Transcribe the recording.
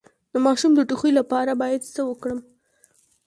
د ماشوم د ټوخي لپاره باید څه وکړم؟